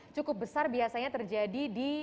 cukup besar biasanya terjadi di